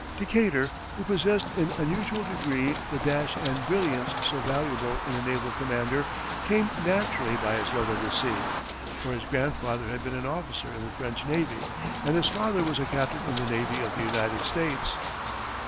Decatur, who possessed in unusual degree the dash and brilliance so valuable in a naval commander, came naturally by his love of the sea, for his grandfather had been an officer in the French navy, and his father was a captain in the navy of the United States.